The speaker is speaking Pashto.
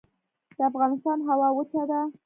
د افغانستان هوا وچه ده